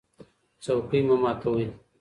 څوکۍ مه ماتوئ.